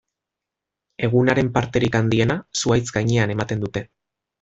Egunaren parterik handiena zuhaitz gainean ematen dute.